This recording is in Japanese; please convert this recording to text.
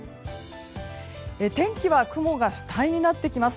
天気は雲が主体になってきます。